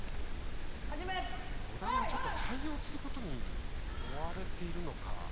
児玉はちょっと対応することに追われているのか。